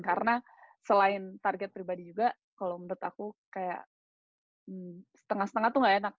karena selain target pribadi juga kalau menurut aku kayak setengah setengah tuh gak enak